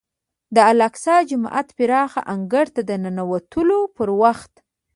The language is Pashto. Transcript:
د الاقصی جومات پراخ انګړ ته د ننوتلو پر وخت.